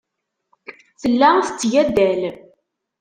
Tella tetteg addal.